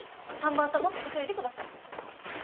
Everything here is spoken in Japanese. ３番様急いでください。